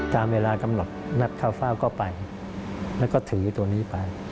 ตามเวลากำหนดนัดข้าวเฝ้าก็ไปแล้วก็ถือตัวนี้ไป